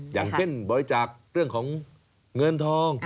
อย่างเช่นบริจาคเรื่องของเงินทอง